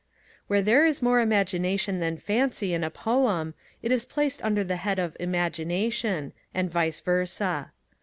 Where there is more imagination than fancy in a poem, it is placed under the head of imagination, and vice versa.